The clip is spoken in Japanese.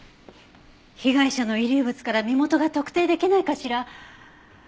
被害者の遺留物から身元が特定できないかしら？